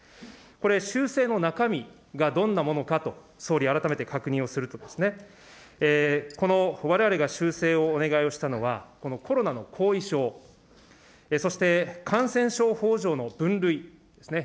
これ、修正の中身がどんなものかと、総理、改めて確認をすると、このわれわれが修正をお願いをしたのは、このコロナの後遺症、そして、感染症法上の分類ですね。